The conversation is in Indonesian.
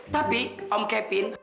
tapi om kevin